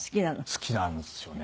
好きなんですよね。